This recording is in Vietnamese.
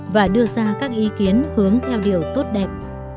và đưa ra các ý kiến hướng theo điều tốt đẹp